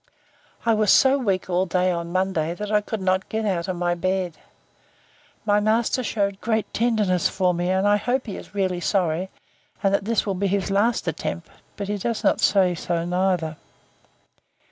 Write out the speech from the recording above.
I was so weak all day on Monday, that I could not get out of my bed. My master shewed great tenderness for me; and I hope he is really sorry, and that this will be his last attempt; but he does not say so neither.